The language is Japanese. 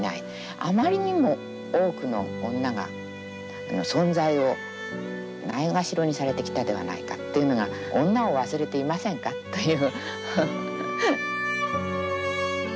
あまりにも多くの女が存在をないがしろにされてきたではないかっていうのが「女を忘れていませんか？」という。